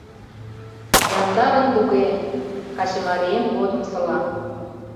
Яндарын туге, качымарием годымсыла».